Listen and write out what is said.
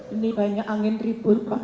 ini banyak angin ribut pak